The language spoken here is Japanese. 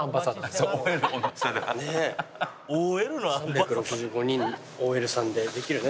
３６５人ＯＬさんでできるね。